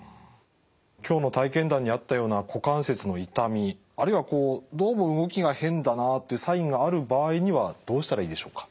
今日の体験談にあったような股関節の痛みあるいはどうも動きが変だなというサインがある場合にはどうしたらいいでしょうか？